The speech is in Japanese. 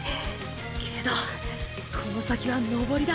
けどこの先は登りだ。